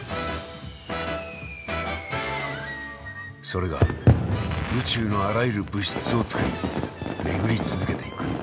それが宇宙のあらゆる物質を作り巡り続けていく。